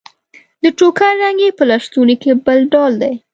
د ټوکر رنګ يې په لستوڼي کې بل ډول دی.